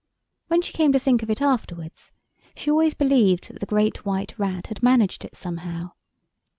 When she came to think of it afterwards she always believed that the Great White Rat had managed it somehow.